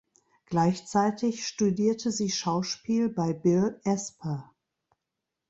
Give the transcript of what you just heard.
Gleichzeitig studierte sie Schauspiel bei Bill Esper.